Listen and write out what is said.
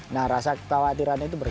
nah rasa khawatirannya itu berguna